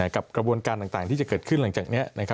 กระบวนการต่างที่จะเกิดขึ้นหลังจากนี้